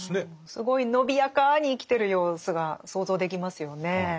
すごい伸びやかに生きてる様子が想像できますよね。